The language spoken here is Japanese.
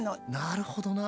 なるほどな。